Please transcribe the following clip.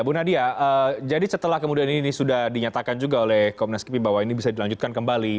bu nadia jadi setelah kemudian ini sudah dinyatakan juga oleh komnas kipi bahwa ini bisa dilanjutkan kembali